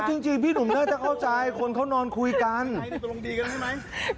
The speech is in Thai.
จริงพี่หนุ่มน่าจะเข้าใจคนเขานอนคุยกันตกลงดีกันใช่ไหม